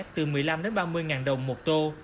từ một mươi năm ba mươi ngàn đồng một tô